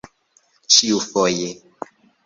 ĉiufoje